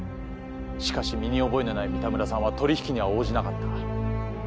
しかし身に覚えのない三田村さんは取引には応じなかった。